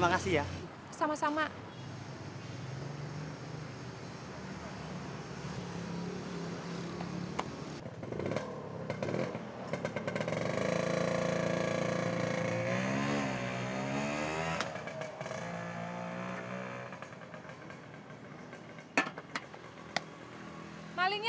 masak sepuluh ribu